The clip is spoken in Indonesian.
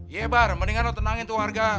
iya bar mendingan lu tenangin tuh warga